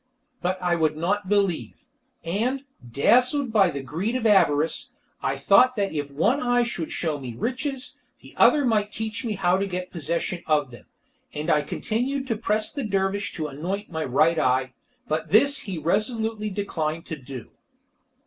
But I would not believe, and, dazzled by the greed of avarice, I thought that if one eye could show me riches, the other might teach me how to get possession of them. And I continued to press the dervish to anoint my right eye, but this he resolutely declined to do.